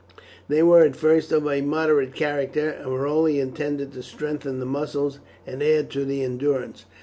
They were at first of a moderate character, and were only intended to strengthen the muscles and add to the endurance.